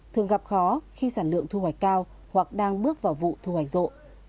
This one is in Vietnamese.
thường gặp khó khi sản lượng thu hoạch cao hoặc đang bước vào vụ thu hoạch rộ